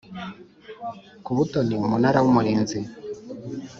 ku butoni Umunara w Umurinzi